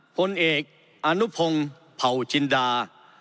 พลเอกอนุพงศ์เผาจินดา